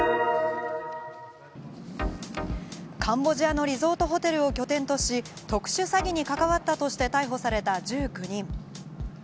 カンボジアのリゾートホテルを拠点とし、特殊詐欺に関わったとして逮捕された１９人。